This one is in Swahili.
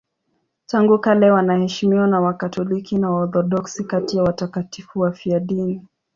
Tangu kale wanaheshimiwa na Wakatoliki na Waorthodoksi kati ya watakatifu wafiadini.